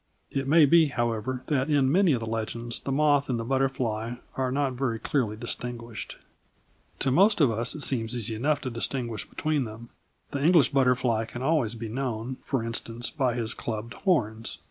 It may be, however, that in many of the legends the moth and the butterfly are not very clearly distinguished. To most of us it seems easy enough to distinguish between them; the English butterfly can always be known, for instance, by his clubbed horns.